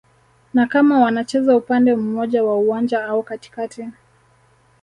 na kama wanacheza upande mmoja wa uwanja au katikati